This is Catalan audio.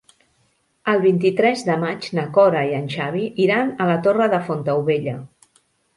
El vint-i-tres de maig na Cora i en Xavi iran a la Torre de Fontaubella.